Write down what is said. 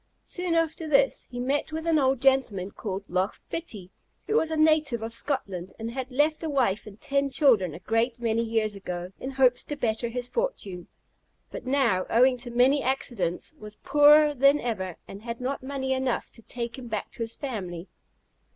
Soon after this he met with an old gentleman, called Loch Fitty, who was a native of Scotland, and had left a wife and ten children a great many years ago, in hopes to better his fortune; but now, owing to many accidents, was poorer than ever, and had not money enough to take him back to his family.